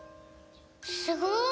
すごい！